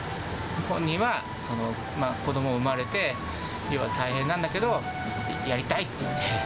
本人は子ども生まれて大変なんだけど、やりたいって。